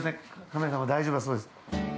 カメラさんも大丈夫だそうです。